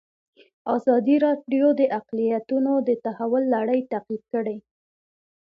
ازادي راډیو د اقلیتونه د تحول لړۍ تعقیب کړې.